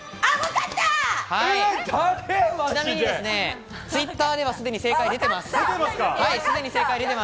ちなみにＴｗｉｔｔｅｒではすでに正解が出てます。